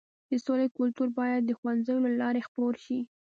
د سولې کلتور باید د ښوونځیو له لارې خپور شي.